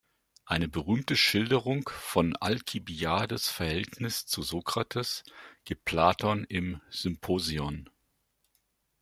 Eine berühmte Schilderung von Alkibiades’ Verhältnis zu Sokrates gibt Platon im "Symposion".